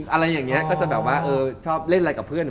อะไรอย่างนี้ก็จะแบบว่าชอบเล่นอะไรกับเพื่อน